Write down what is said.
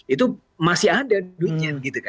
itu masih ada duitnya